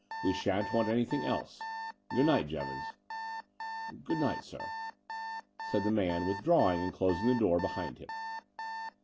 We shan't want anything else. Good night, Jevons." "Good night, sir," said the man, withdrawing and closing the door behind him.